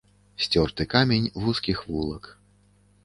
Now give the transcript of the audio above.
Сцёрты камень вузкіх вулак.